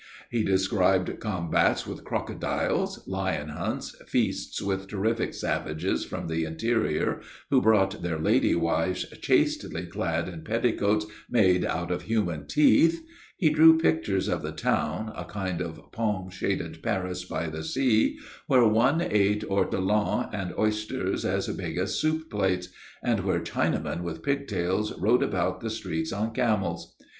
He described combats with crocodiles, lion hunts, feasts with terrific savages from the interior, who brought their lady wives chastely clad in petticoats made out of human teeth; he drew pictures of the town, a kind of palm shaded Paris by the sea, where one ate ortolans and oysters as big as soup plates, and where Chinamen with pigtails rode about the streets on camels.